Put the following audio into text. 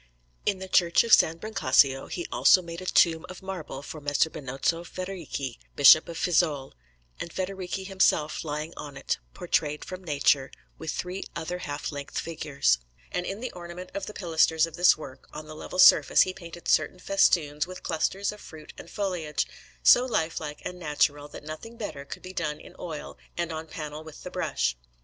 In the Church of S. Brancazio, also, he made a tomb of marble for Messer Benozzo Federighi, Bishop of Fiesole, and Federighi himself lying on it, portrayed from nature, with three other half length figures; and in the ornament of the pilasters of this work, on the level surface, he painted certain festoons with clusters of fruit and foliage, so lifelike and natural, that nothing better could be done in oil and on panel with the brush.